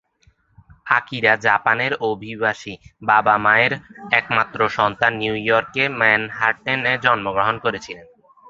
Akira জাপানের অভিবাসী বাবা-মায়ের একমাত্র সন্তান নিউইয়র্কের ম্যানহাটনে জন্মগ্রহণ করেছিলেন।